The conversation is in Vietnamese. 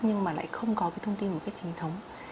nhưng mà lại không có cái thông tin một cách chính thống